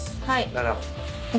はい。